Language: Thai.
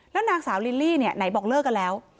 แล้วนางสาวลิลลี่เนี่ยไหนบอกเลิกกันแล้ว